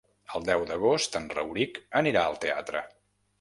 El deu d'agost en Rauric anirà al teatre.